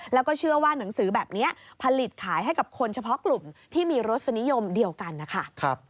แล้วก็เชื่อว่าหนังสือแบบนี้ผลิตขายให้กับคนเฉพาะกลุ่มที่มีรสนิยมเดียวกันนะคะ